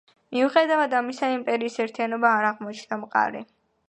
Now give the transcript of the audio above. მიუხედავად ამისა, იმპერიის ერთიანობა არ აღმოჩნდა მყარი.